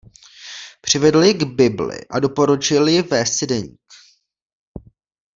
Přivedl ji k Bibli a doporučil jí vést si deník.